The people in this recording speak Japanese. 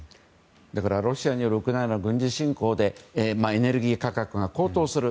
ロシアによるウクライナの軍事侵攻でエネルギー価格が高騰する。